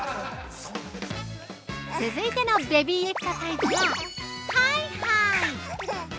◆続いてのベビーエクササイズはハイハイ！